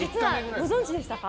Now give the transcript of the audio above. ご存知でしたか？